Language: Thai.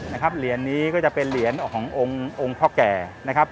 นะครับเหรียญนี้ก็จะเป็นเหรียญขององค์พ่อแก่นะครับ